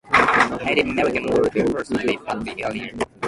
Native Americans were the first to live in the area.